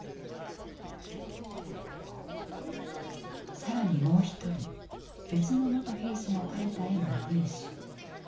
更にもう一人別の元兵士が描いた絵も入手。